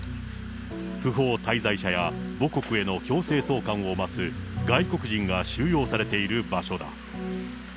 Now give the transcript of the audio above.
不法滞在者や母国への強制送還を待つ外国人が収容されている場所だ。